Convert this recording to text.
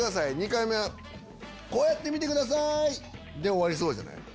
２回目はこうやって見てください」で終わりそうじゃない？